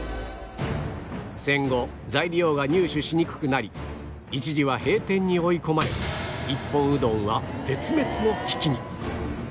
戦後材料が入手しにくくなり一時は閉店に追い込まれ一本うどんは絶滅の危機に